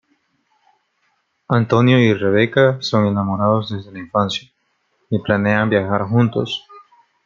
Antonio y Rebeca son enamorados desde la infancia y planean viajar juntos.